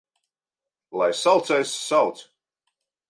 Lai saucējs sauc!